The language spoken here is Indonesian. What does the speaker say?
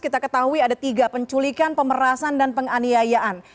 kita ketahui ada tiga penculikan pemerasan dan penganiayaan